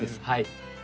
はい